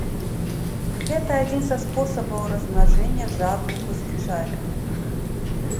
Гэта адзін са спосабаў размнажэння жабніку звычайнага.